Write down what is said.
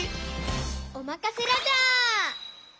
おまかせラジャー！